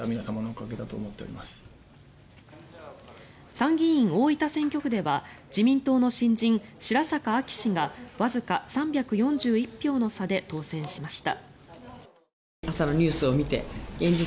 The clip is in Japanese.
参議院大分選挙区では自民党の新人、白坂亜紀氏がわずか３４１票の差で当選しました。